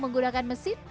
menggunakan minuman ringan